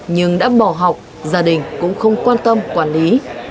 nhưng đã bỏ học gia đình cũng không quan tâm quản lý